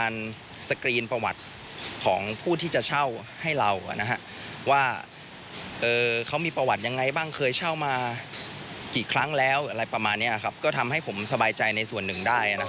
ในมุมของผู้เช่าก็ยอมรับว่าสะดวกและราคาไม่แพง